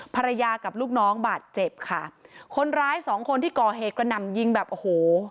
ภรรยากับลูกน้องบาดเจ็บค่ะคนร้ายสองคนที่ก่อเหตุกระหน่ำยิงแบบโอ้โห